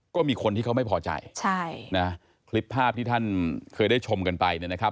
ก็มีคนที่เขาไม่พอใจใช่นะคลิปภาพที่ท่านเคยได้ชมกันไปเนี่ยนะครับ